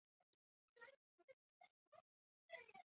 小型的便携式工具箱有时被称为手提箱或便携式工具箱。